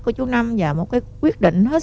chữ cái vui vẻ